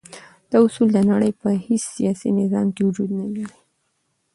دا اصول د نړی په هیڅ سیاسی نظام کی وجود نلری.